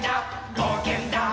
ぼうけんだ！